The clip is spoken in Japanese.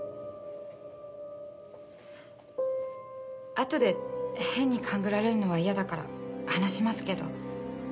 あとで変に勘繰られるのは嫌だから話しますけど。